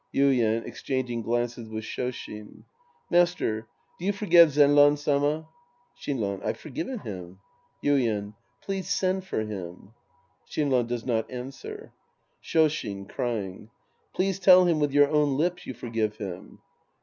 Yuien {exchanging glances with Sh5shin). Master, do you forgive Zenran Sama ? Shinran. I've forgiven liim. Yuien. Please send for him. (Shinran does not answer.) Shoshin {crying). Please tell him with your own lips you forgive him.